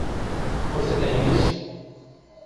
Você tem isso?